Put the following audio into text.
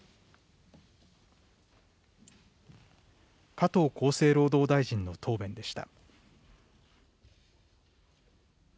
加藤厚生労働大臣の答弁でした。